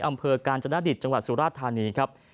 อำเภอกาญจนดิตจังหวัดสุราชธานีครับ